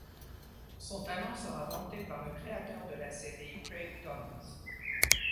Son talent sera vanté par le créateur de la série Craig Thomas.